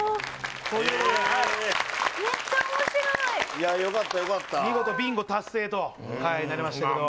めっちゃ面白いよかったよかった見事ビンゴ達成となりましたけど